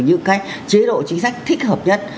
những cái chế độ chính sách thích hợp nhất